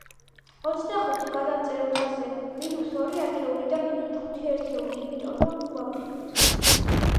ოცდახუთი გადავწეროთ ასე, მინუს ორი ათეული და მინუს ხუთი ერთეული, იმიტომ, რომ ვაკლებთ.